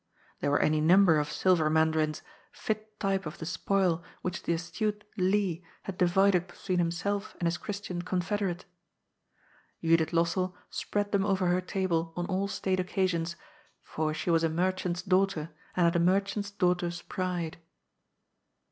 There were any number of silver mandarins, fit type of the spoil which the astute Li had divided between himself and his Christian confederate. Judith Lossell spread them over her table on all state oc 7 98 GOD'S FOOL. casions, for she was a merchant'^ daughter and had a mer chant's daughter's pride.